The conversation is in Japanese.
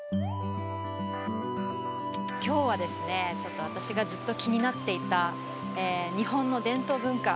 きょうはですね、ちょっと私がずっと気になっていた日本の伝統文化